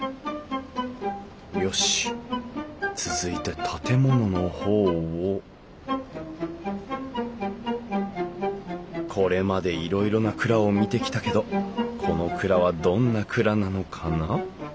よし続いて建物の方をこれまでいろいろな蔵を見てきたけどこの蔵はどんな蔵なのかな？